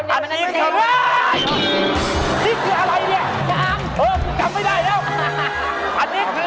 อันนี้คือชะอบค่ะ